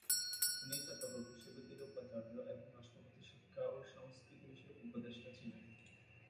তিনি চট্টগ্রাম বিশ্ববিদ্যালয়ের উপাচার্য এবং রাষ্ট্রপতির শিক্ষা ও সংস্কৃতি বিষয়ক উপদেষ্টা ছিলেন।